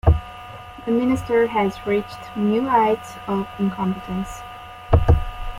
The Minister has reached new heights of incompetence.